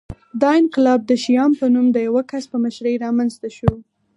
دا انقلاب د شیام په نوم د یوه کس په مشرۍ رامنځته شو